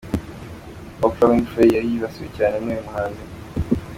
Oprah Winfrey yari yibasiwe cyane n'uyu muhanzi.